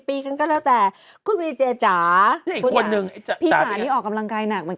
อีกคนนึงที่เลิศจริงคุณเคยเคยเห็นไหม